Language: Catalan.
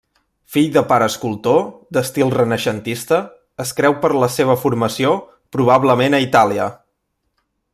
Fill de pare escultor, d'estil renaixentista, es creu per la seva formació probablement a Itàlia.